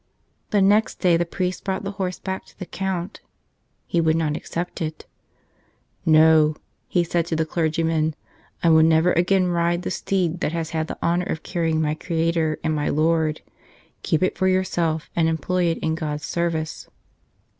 The next day the priest brought the horse back to the Count. He would not accept it. "No," he said to the clergyman, "I will never again ride the steed that has had the honor of carrying my Creator and my Lord; keep it for yourself and employ it in God's service."